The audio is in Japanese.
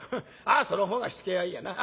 あその方が火つけがいいやな。